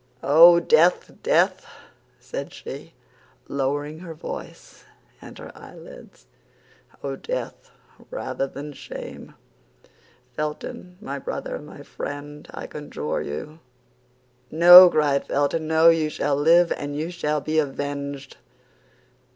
"Oh, death, death!" said she, lowering her voice and her eyelids, "oh, death, rather than shame! Felton, my brother, my friend, I conjure you!" "No," cried Felton, "no; you shall live and you shall be avenged."